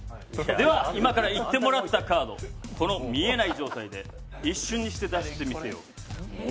では今から言ってもらったカードこの見えない状態で一瞬にして出してみせよう。